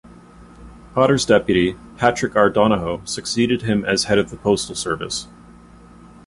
Potter's deputy, Patrick R. Donahoe, succeeded him as head of the Postal Service.